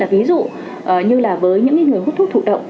ví dụ như là với những người hút thuốc thụ động